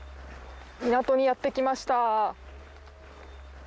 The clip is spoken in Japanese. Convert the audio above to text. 港にやって来ました。